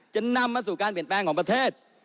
จะนำมาสู่การเปลี่ยนแปลงของประเทศ